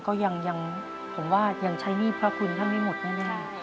ก็ยังผมว่ายังใช้หนี้พระคุณท่านไม่หมดแน่